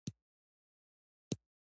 سانتیاګو د مشرانو ترمنځ مشهور کیږي.